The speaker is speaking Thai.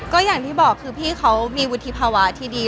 ก็อย่างที่บอกคือพี่เขามีวุฒิภาวะที่ดี